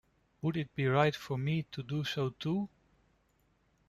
Would it be right for me to do so too?